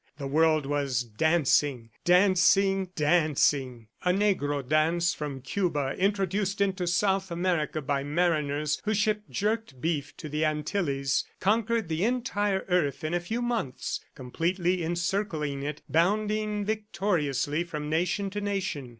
The world was dancing ... dancing ... dancing. A negro dance from Cuba introduced into South America by mariners who shipped jerked beef to the Antilles, conquered the entire earth in a few months, completely encircling it, bounding victoriously from nation to nation